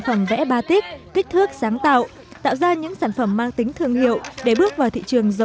phẩm vẽ batic kích thước sáng tạo tạo ra những sản phẩm mang tính thương hiệu để bước vào thị trường